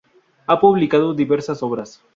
Ha publicado diversas obras